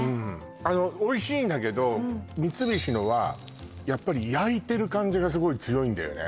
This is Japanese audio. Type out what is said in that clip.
あのおいしいんだけど三菱のはやっぱり焼いてる感じがすごい強いんだよね